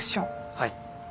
はい。